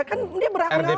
kan dia berangkat pengawasan